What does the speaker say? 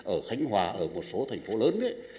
ở khánh hòa ở một số thành phố lớn